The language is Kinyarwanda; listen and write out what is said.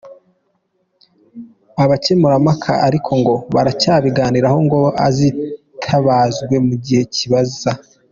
abakemurampaka ariko ngo baracyabiganiraho ngo azitabazwe mu gihe bizaba.